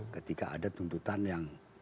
ketika ada tuntutan yang